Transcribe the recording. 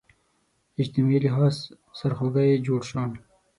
اجتماعي لحاظ سرخوږی جوړ شو